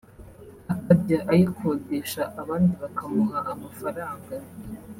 akajya ayikodesha abandi bakamuha amafaranga